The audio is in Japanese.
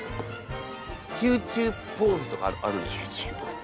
宮中ポーズとかあるんですか？